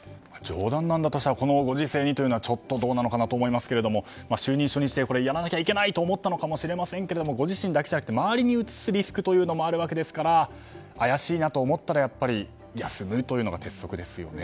冗談なんだとしたらこのご時世にちょっとどうなのかなと思いますけども承認初日でやらなきゃいけないと思ったのかもしれませんがご自身だけじゃなくて周りにうつすリスクもあるわけですから怪しいなと思ったらやっぱり休むというのが鉄則ですよね。